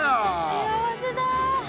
幸せだ。